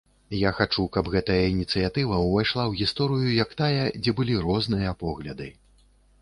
Я хачу, каб гэтая ініцыятыва увайшла у гісторыю як тая, дзе былі розныя погляды.